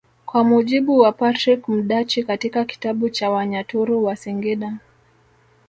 Kwa mujibu wa Patrick Mdachi katika kitabu cha Wanyaturu wa Singida